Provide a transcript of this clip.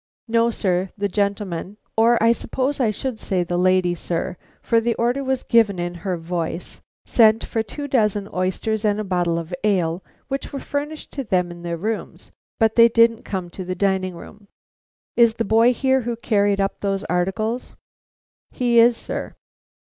"No, sir; the gentleman or I suppose I should say the lady, sir, for the order was given in her voice sent for two dozen oysters and a bottle of ale, which were furnished to them in their rooms; but they didn't come to the dining room." "Is the boy here who carried up those articles?" "He is, sir."